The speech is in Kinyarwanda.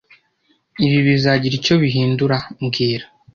Ibi bizagira icyo bihindura mbwira